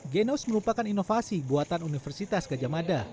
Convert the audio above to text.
genos merupakan inovasi buatan universitas gajah mada